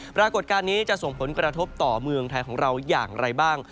ปรากฏการณ์นี้จะส่งผลกระทบต่อเมืองไทยของเราอย่างไรบ้าง